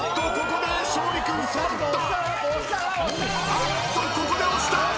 あっとここで押した！